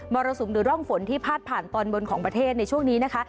รสุมหรือร่องฝนที่พาดผ่านตอนบนของประเทศในช่วงนี้นะคะ